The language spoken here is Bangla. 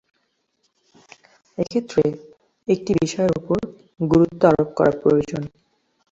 এক্ষেত্রে একটি বিষয়ের ওপর গুরুত্ব আরোপ করা প্রয়োজন।